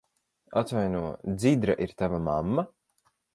Atvaino, Dzidra ir tava mamma?